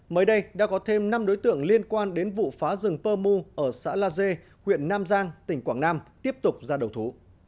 mới đây đã có thêm năm đối tượng liên quan đến vụ phá rừng pơ mu ở xã la dê huyện nam giang tỉnh quảng nam tiếp tục ra đầu thú